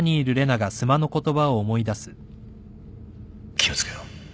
気を付けろ。